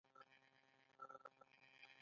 په دې پیسو جامې پېري او استراحت کوي